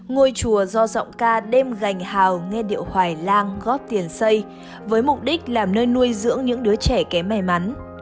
ngôi chùa do giọng ca đêm gành hào nghe điệu hoài lang góp tiền xây với mục đích làm nơi nuôi dưỡng những đứa trẻ kém may mắn